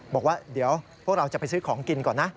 บอกว่าเดี๋ยวพวกเราจะไปซื้อของกินก่อนนะ